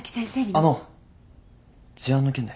あの事案の件で。